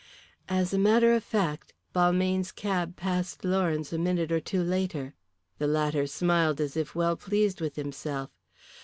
As a matter of fact, Balmayne's cab passed Lawrence a minute or two later. The latter smiled as if well pleased with himself.